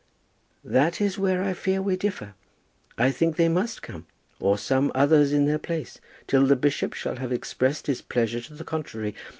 "That is where I fear we differ. I think they must come, or some others in their place, till the bishop shall have expressed his pleasure to the contrary.